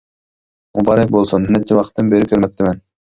مۇبارەك بولسۇن، نەچچە ۋاقىتتىن بېرى كۆرمەپتىمەن.